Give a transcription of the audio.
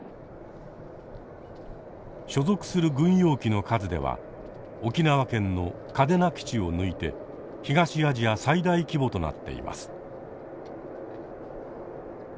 所属する軍用機の数では沖縄県の嘉手納基地を抜いて“東アジア最大規模”となっています。